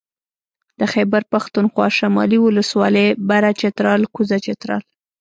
د خېبر پښتونخوا شمالي ولسوالۍ بره چترال کوزه چترال